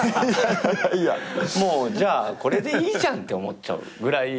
もうじゃあこれでいいじゃんって思っちゃうぐらい。